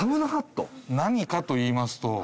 何かといいますと。